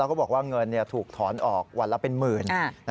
แล้วก็บอกว่าเงินถูกถอนออกวันละเป็นหมื่น